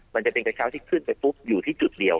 มันจะเป็นกระเช้าที่ขึ้นไปปุ๊บอยู่ที่จุดเดียว